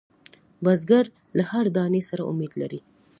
بزګر له هر دانې سره امید لري